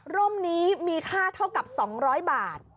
ร่มนี้มีค่าเท่ากับ๒๐๐บาท